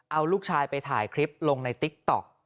เอาลูกชายไปถ่ายคลิปลงในติ๊กต๊อก